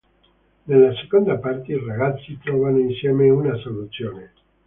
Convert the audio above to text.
Nella seconda parte i ragazzi trovano insieme una soluzione.